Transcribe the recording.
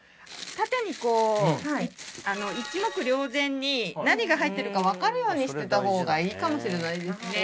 縦にこう一目瞭然に何が入ってるか分かるようにしてた方がいいかもしれないですね